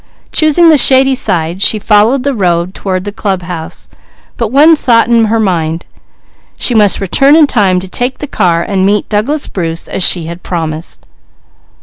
Choosing the shady side, she followed the road toward the club house, but one thought in her mind: she must return in time to take the car and meet Douglas Bruce as she had promised.